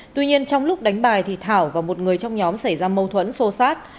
tuy nhiên trong lúc đánh bài thì thảo và một người trong nhóm xảy ra mâu thuẫn sô sát